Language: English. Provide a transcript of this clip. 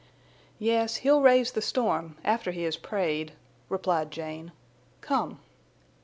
"Yes, he'll raise the storm—after he has prayed," replied Jane. "Come."